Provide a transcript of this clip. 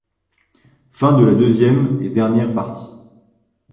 fin de la deuxième et dernière partie.